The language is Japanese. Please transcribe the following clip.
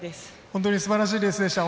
本当にすばらしいレースでした。